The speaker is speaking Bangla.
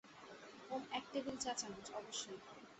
ওহ, এক টেবিল চা চামচ, অবশ্যই।